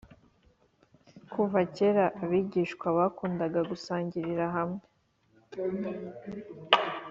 kuva kera abigishwa bakundaga gusangirira hamwe